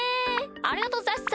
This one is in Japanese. ありがとうございます。